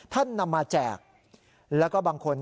นำมาแจกแล้วก็บางคน